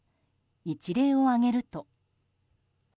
一例を挙げると。